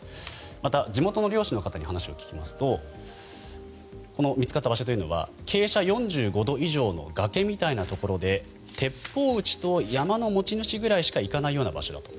また地元の猟師の方に話を聞きますとこの見つかった場所というのは傾斜４５度以上の崖みたいなところで鉄砲撃ちと山の持ち主ぐらいしか行かないような場所だと。